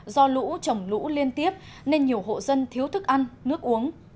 do lũ trồng lũ liên tiếp nên nhiều hộ dân thiếu thức ăn nước uống